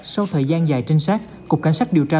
sau thời gian dài trinh sát cục cảnh sát điều tra